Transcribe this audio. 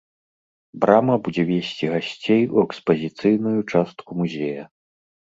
Брама будзе весці гасцей у экспазіцыйную частку музея.